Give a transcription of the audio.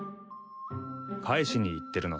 返しに行ってるのさ。